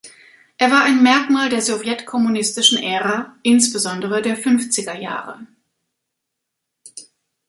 Er war ein Merkmal der sowjetkommunistischen Ära, insbesondere der fünfziger Jahre.